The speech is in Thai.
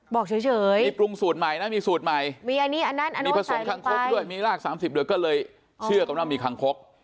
บอกเฉยมีปรุงสูตรใหม่นะมีสูตรใหม่มีผสมคังคกด้วยมีรากสามสิบด้วยก็เลยเชื่อกับว่ามีคังคก